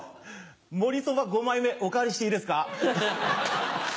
盛りそば５枚目お代わりしていいですか？